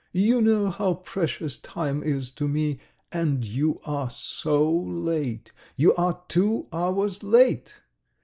"You know how precious time is to me, and you are so late. You are two hours late!